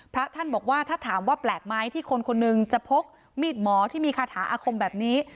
พระท่านบอกว่าถ้าถามว่าแปลกไหมที่คนคนหนึ่งจะพกมีดหมอที่มีคาถาอาคมแบบนี้